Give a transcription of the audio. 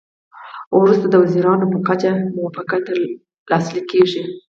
وروسته د وزیرانو په کچه موافقه لاسلیک کیږي